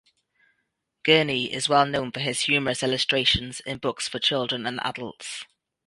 Gurney is well known for his humorous illustrations in books for children and adults.